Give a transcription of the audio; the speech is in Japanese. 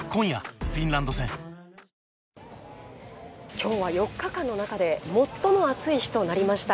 きょうは４日間の中で最も暑い日となりました。